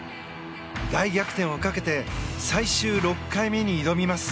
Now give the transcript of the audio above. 大逆転をかけて最終６回目に挑みます。